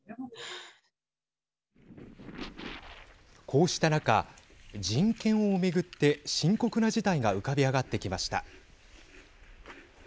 こうした中人権をめぐって深刻な事態が浮かび上がってきました。